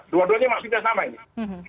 dua duanya maksudnya sama ini